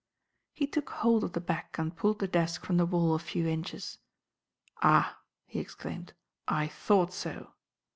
He took hold of the back and pulled the desk from the wall a few inches. "Ah," he exclaimed, "I thought so!"